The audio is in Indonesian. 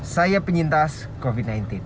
saya penyintas covid sembilan belas